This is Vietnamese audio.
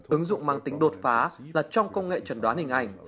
ứng dụng mang tính đột phá là trong công nghệ trần đoán hình ảnh